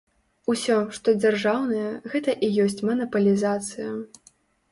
Усё, што дзяржаўнае, гэта і ёсць манапалізацыя.